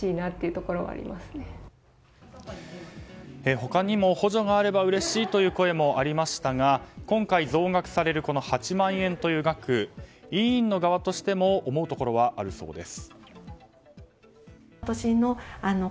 他にも補助があればうれしいという声もありましたが今回増額される８万円という額医院の側としても思うところはあるそうです。